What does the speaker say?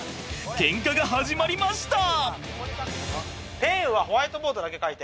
ケンカが始まりました。